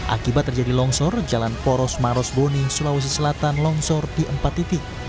akibat terjadi longsor jalan poros maros boni sulawesi selatan longsor di empat titik